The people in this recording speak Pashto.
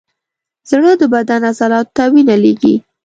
زړه د بدن عضلاتو ته وینه لیږي.